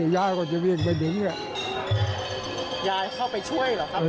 ย่ายเข้าไปช่วย